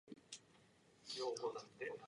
It is an equivalent to other markets' S model.